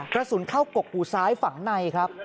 กระสุนเข้ากกหูซ้ายฝังในครับ